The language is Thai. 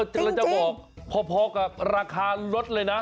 จริงแล้วจะบอกพอกับราคารถเลยนะ